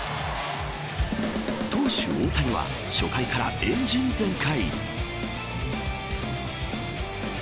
投手大谷は初回からエンジン全開。